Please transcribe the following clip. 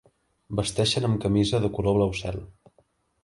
Vesteixen amb camisa de color blau cel.